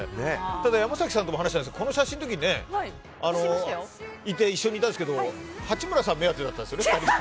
ただ、山崎さんとも話したんですが、この写真の時一緒にいたんですけど八村さん目当てだったんですよね？